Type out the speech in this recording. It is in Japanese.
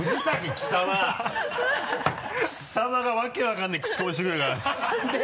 貴様が訳分からないクチコミしてくるから。